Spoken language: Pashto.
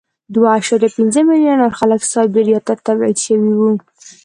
دوه اعشاریه پنځه میلیونه نور خلک سایبریا ته تبعید شوي وو